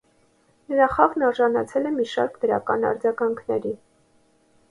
Նրա խաղն արժանացել է մի շարք դրական արձագանքների։